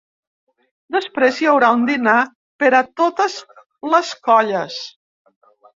Després hi haurà un dinar per a totes les colles.